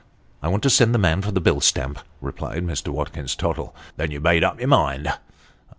" I want to send the man for the bill stamp," replied Mr. Watkins Tottle. " Then you've made up your mind